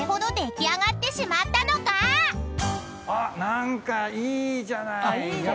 何かいいじゃない。